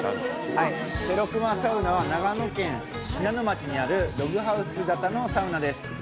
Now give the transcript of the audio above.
しぇろくまサウナは長野県信濃町にあるログハウス型のサウナです。